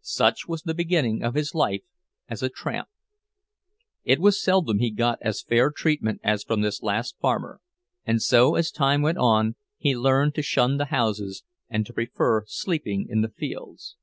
Such was the beginning of his life as a tramp. It was seldom he got as fair treatment as from this last farmer, and so as time went on he learned to shun the houses and to prefer sleeping in the fields.